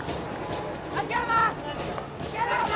秋山！